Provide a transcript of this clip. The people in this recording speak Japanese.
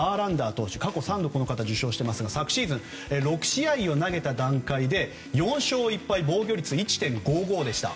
この方は過去３度受賞していますが昨シーズン６試合を投げた段階で４勝１敗防御率１．５５でした。